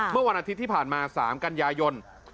เมื่อวันอาทิตย์ที่ผ่านมา๓กันยายน